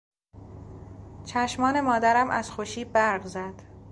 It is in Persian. چشمان مادرم از خوشی برق زد.